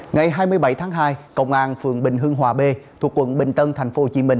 ngày hai mươi bảy tháng hai cộng an phường bình hương hòa b thuộc quận bình tân tp hcm